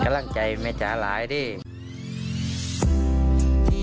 กำลังใจแม่จ๋าหลายดิ